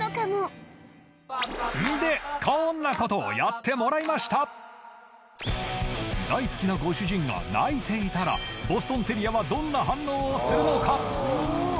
もんでこんなことをやってもらいました大好きなご主人が泣いていたらボストン・テリアはどんな反応をするのか？